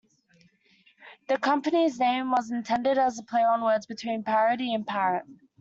The company's name was intended as a play-on-words between "parody" and "parrot".